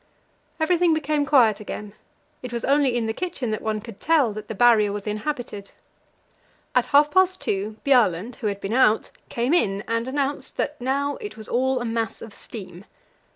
Everything became quiet again; it was only in the kitchen that one could tell that the Barrier was inhabited. At half past two Bjaaland, who had been out, came in and announced that now it was all a mass of steam.